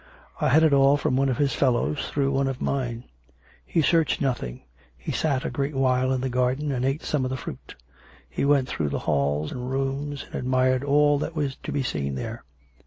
I had it all from one of his fellows through one of mine. He searched nothing; he sat a great while in the garden^ and ate some COME RACK! COME ROPE! 249 of the fruit; he went through the hall and the rooms, and admired all that was to be seen there.